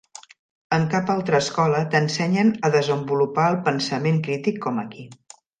En cap altra escola t'ensenyen a desenvolupar el pensament crític com aquí.